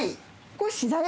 これ。